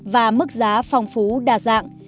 và mức giá phong phú đa dạng